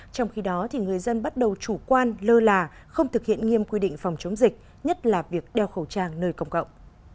trong khi đó người dân bắt đầu chủ quan lơ là không thực hiện nghiêm quy định phòng chống dịch nhất là việc đeo khẩu trang nơi công cộng